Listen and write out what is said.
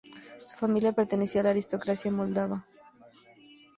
Su familia pertenecía a la aristocracia moldava.